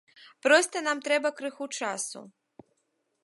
Проста нам трэба крыху часу.